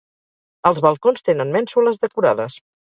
Els balcons tenen mènsules decorades.